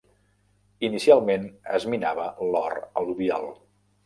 Inicialment es minava l'or al·luvial.